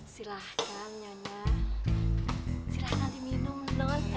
silahkan nyanya silahkan minum dong